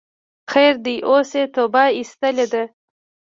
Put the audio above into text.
خیر ده اوس یی توبه ویستلی ده